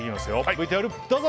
ＶＴＲどうぞ！